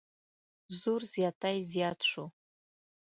زور زیاتی زیات شو.